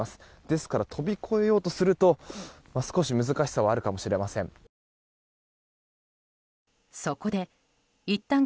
ですから、跳び越えようとすると少し難しさはあるかもしれません。